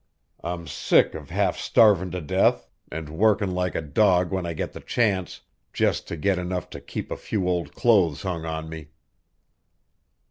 I'm sick of half starvin' to death, and workin' like a dog when I get the chance just to get enough to keep a few old clothes hung on me."